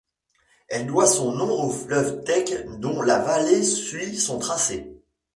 Elle doit son nom au fleuve Tech dont la vallée suit son tracé.